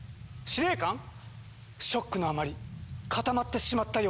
ショックのあまり固まってしまったようです。